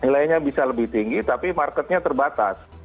nilainya bisa lebih tinggi tapi marketnya terbatas